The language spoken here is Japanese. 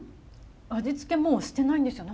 味付けもしてないんですよね？